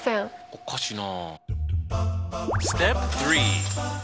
おかしいな。